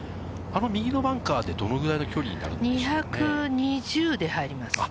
右のバンカーでどのぐらいの距離２２０で入ります。